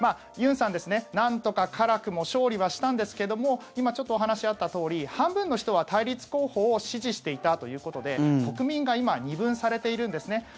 ユンさん、なんとか辛くも勝利はしたんですけども今、ちょっとお話があったとおり半分の人は対立候補を支持していたということで国民が今二分されているんですね。